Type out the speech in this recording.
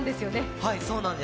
はい、そうなんです。